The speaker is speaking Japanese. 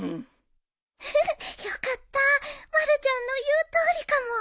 ウフフよかったまるちゃんの言うとおりかも